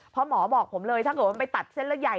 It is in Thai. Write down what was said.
เพราะหมอบอกผมเลยถ้าเกิดว่ามันไปตัดเส้นเลือดใหญ่